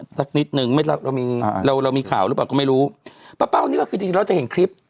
สักนิดนึงเรามีเราเรามีข่าวหรือเปล่าก็ไม่รู้ป้าเป้านี่ก็คือจริงจริงเราจะเห็นคลิป